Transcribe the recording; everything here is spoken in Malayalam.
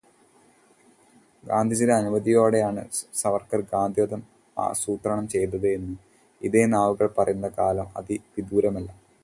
ഗാന്ധിജിയുടെ അനുമതിയോടെയാണ് സവർക്കർ ഗാന്ധിവധം ആസൂത്രണം ചെയ്തത് എന്നും ഇതേ നാവുകൾ പറയുന്ന കാലം അതിവിദൂരമല്ല.